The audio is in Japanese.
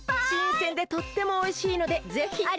しんせんでとってもおいしいのでぜひ。